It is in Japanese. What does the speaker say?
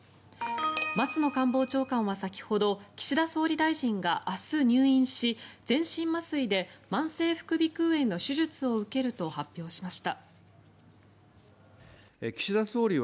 松野官房長官は先ほど岸田総理大臣が明日入院し、全身麻酔で慢性副鼻腔炎の手術を受けると発表しました。